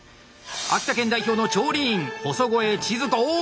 秋田県代表の調理員細越千鶴子。